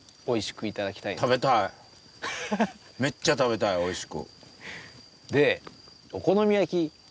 めっちゃ食べたいおいしく。